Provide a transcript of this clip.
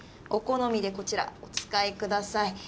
お好みでこちらお使いください。